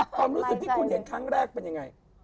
ความรู้สึกที่คุณเห็นครั้งแรกเป็นยังไง